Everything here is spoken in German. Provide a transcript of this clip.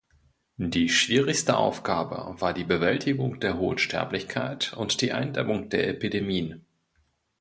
Die schwierigste Aufgabe war die Bewältigung der hohen Sterblichkeit und die Eindämmung der Epidemien.